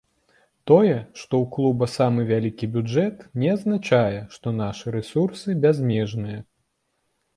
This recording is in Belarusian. Тое, што ў клуба самы вялікі бюджэт, не азначае, што нашы рэсурсы бязмежныя.